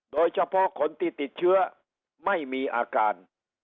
โดยเฉพาะคนที่ติดเชื้อไม่มีอาการ